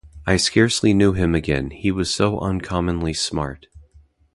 I scarcely knew him again, he was so uncommonly smart.